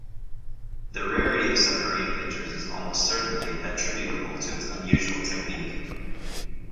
The rarity of submarine pitchers is almost certainly attributable to its unusual technique.